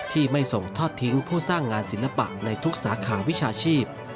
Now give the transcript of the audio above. ที่ไม่ส่งทอดทิ้งผู้สร้างงานศิลปะในทุกสาขาวิชาชีพ